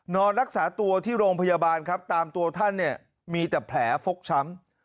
นอนรักษาตัวที่โรงพยาบาลครับตามตัวท่านเนี่ยมีแต่แผลฟกช้ำ